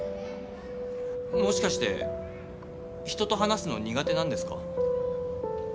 もしかして人と話すの苦手なんですか？